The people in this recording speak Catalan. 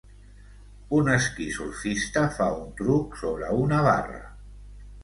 Un esquí-surfista fa un truc sobre una barra.